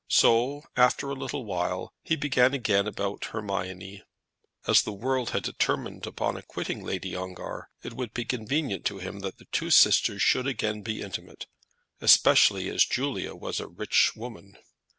So after a little while he began again about Hermione. As the world had determined upon acquitting Lady Ongar, it would be convenient to him that the two sisters should be again intimate, especially as Julia was a rich woman.